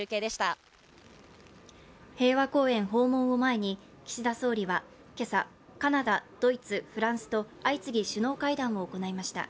平和公園訪問を前に岸田総理は今朝、カナダ、ドイツ、フランスと相次ぎ首脳会談を行いました。